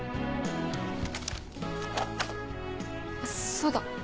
そうだ。